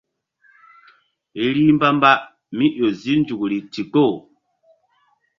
Rih mbamba mí ƴo zi nzukri ndikpo.